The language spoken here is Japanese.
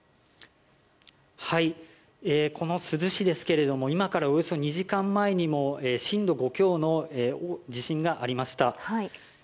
この珠洲市ですが今からおよそ２時間前にも震度５強の地震がありました。